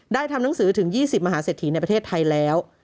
ทำหนังสือถึง๒๐มหาเศรษฐีในประเทศไทยแล้ว